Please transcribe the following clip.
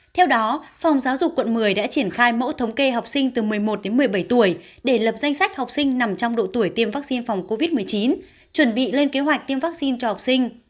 theo đó phòng giáo dục quận một mươi đã triển khai mẫu thống kê học sinh từ một mươi một đến một mươi bảy tuổi để lập danh sách học sinh nằm trong độ tuổi tiêm vaccine phòng covid một mươi chín chuẩn bị lên kế hoạch tiêm vaccine cho học sinh